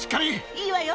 いいわよ！